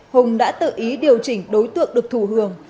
hùng đã tự ý điều chỉnh đối tượng được thù hưởng